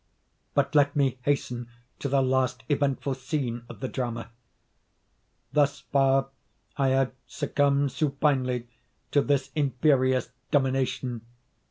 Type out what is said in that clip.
—But let me hasten to the last eventful scene of the drama. Thus far I had succumbed supinely to this imperious domination.